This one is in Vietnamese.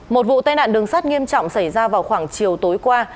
một vụ tai nạn đường sắt nghiêm trọng xảy ra vào khoảng chiều tối qua